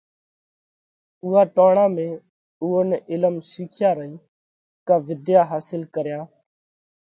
اُوئا ٽوڻا ۾ اُوئون نئہ علِم شِيکيا رئي ڪا وۮيا حاصل ڪريا